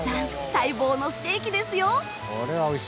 待望のステーキですよ！